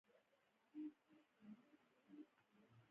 د ښار ټولو برخو ته ترې وړې ویالې تللې وې.